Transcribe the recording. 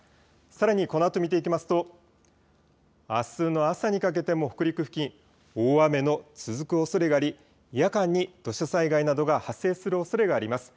さらにこのあと見ていきますとあすの朝にかけても北陸付近、大雨の続くおそれがあり夜間に土砂災害などが発生するおそれがあります。